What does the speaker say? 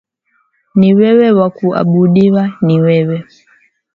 Ni wewe wa kuabudiwa ni wewe.